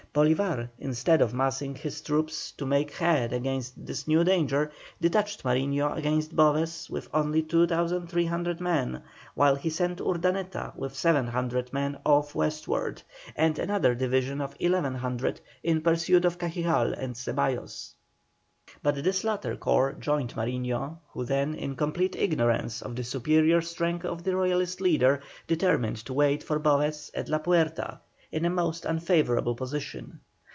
Bolívar, instead of massing his troops to make head against this new danger, detached Mariño against Boves with only 2,300 men, while he sent Urdaneta with 700 men off westward, and another division of 1,100 in pursuit of Cajigal and Ceballos. But this latter corps joined Mariño, who then in complete ignorance of the superior strength of the Royalist leader, determined to wait for Boves at La Puerta, in a most unfavourable position.